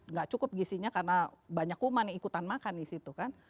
nggak cukup gisinya karena banyak kuman yang ikutan makan di situ kan